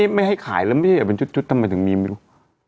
ไม่ให้ขายแล้วไม่ใช่เป็นชุดทำไมถึงมีไม่รู้